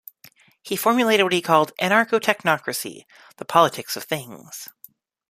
He formulated what he called Anarcho - Technocracy : 'The Politics of Things'.